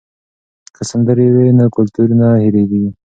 که سندرې وي نو کلتور نه هېریږي.